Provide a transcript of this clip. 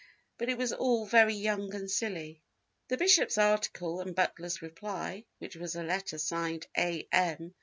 But it was all very young and silly." The bishop's article and Butler's reply, which was a letter signed A. M.